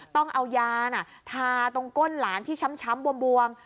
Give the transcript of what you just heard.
ต้องเอายาทาตรงก้นหลานที่ช้ำบวม